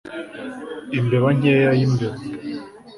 Imbeba nkeya yimbeba